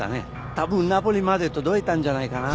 多分ナポリまで届いたんじゃないかな。